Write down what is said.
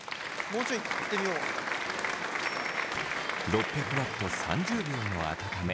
６００Ｗ３０秒の温め